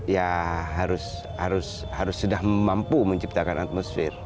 ya harus sudah mampu menciptakan atmosfer